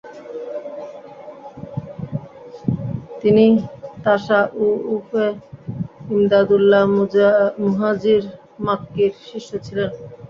তিনি তাসাউউফে ইমদাদুল্লাহ মুহাজির মাক্কীর শিষ্য ছিলেন ।